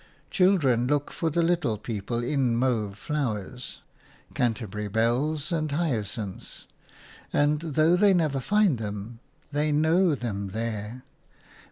Children look for the Little People in mauve flowers – Canterbury bells and hyacinths – and, though they never find them, they know them there.